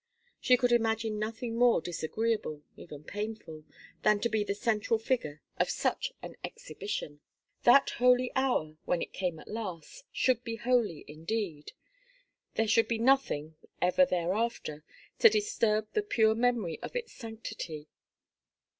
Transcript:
She could imagine nothing more disagreeable, even painful, than to be the central figure of such an exhibition. That holy hour, when it came at last, should be holy indeed. There should be nothing, ever thereafter, to disturb the pure memory of its sanctity.